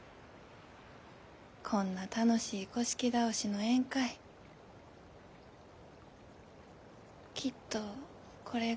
こんな楽しい倒しの宴会きっとこれが。